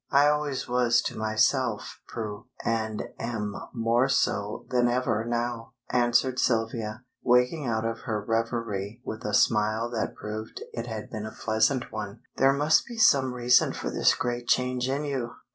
"I always was to myself, Prue, and am more so than ever now," answered Sylvia, waking out of her reverie with a smile that proved it had been a pleasant one. "There must be some reason for this great change in you.